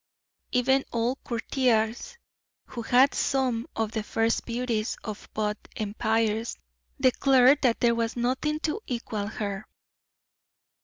Even old courtiers, who had seen some of the first beauties of both empires, declared there was nothing to equal her.